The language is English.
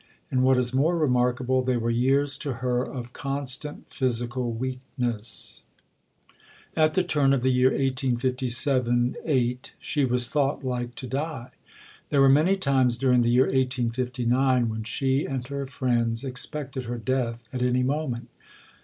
And what is more remarkable, they were years to her of constant physical weakness. At the turn of the year 1857 8 she was thought like to die. There were many times during the year 1859 when she and her friends expected her death at any moment.